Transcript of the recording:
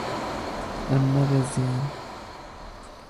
Em nebeziyan.